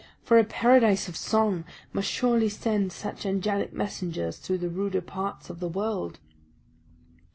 For a paradise of song must surely send such angelic messengers through the ruder parts of the world."